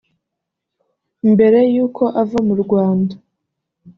Mbere y’uko ava mu Rwanda